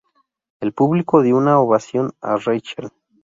El público dio una ovación a Rachelle.